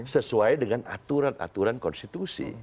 sesuai dengan aturan aturan konstitusi